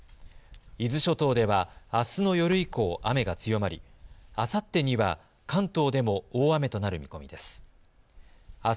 伊豆諸島では、あすの夜以降雨が強まりあさってには関東でも大雨となる見込みです。